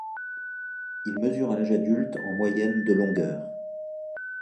Il mesure à l'âge adulte en moyenne de longueur.